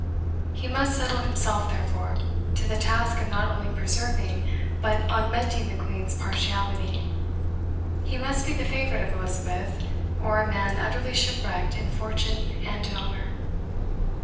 He must settle himself, therefore, to the task of not only preserving, but augmenting the Queen's partiality he must be the favourite of Elizabeth, or a man utterly shipwrecked in fortune and in honour.